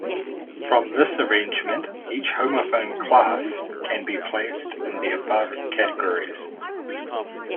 From this arrangement, each homophone class can be placed in the above categories.